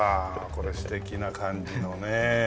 これ素敵な感じのね。